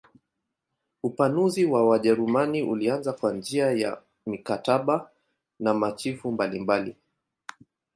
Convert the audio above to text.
Upanuzi wa Wajerumani ulianza kwa njia ya mikataba na machifu mbalimbali.